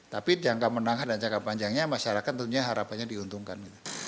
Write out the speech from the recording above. tapi jangka menengah dan jangka panjangnya masyarakat tentunya harapannya diuntungkan